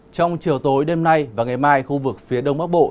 trong chiều tối đêm nay và ngày mai khu vực phía đông bắc bộ